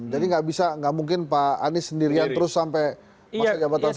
jadi nggak bisa nggak mungkin pak anies sendirian terus sampai masa jabatan selesai